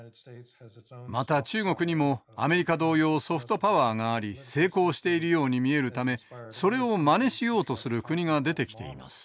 また中国にもアメリカ同様ソフトパワーがあり成功しているように見えるためそれをまねしようとする国が出てきています。